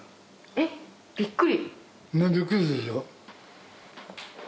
えっびっくり！